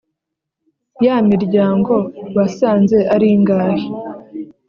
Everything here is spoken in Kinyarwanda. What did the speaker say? ya miryango wasanze ari ingahe’